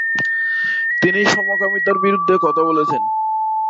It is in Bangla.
তিনি সমকামিতার বিরুদ্ধে কথা বলেছেন।